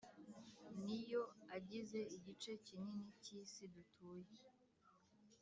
Ni yo agize igice kinini k’isi dutuye.